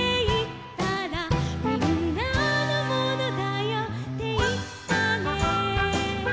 「みんなのものだよっていったね」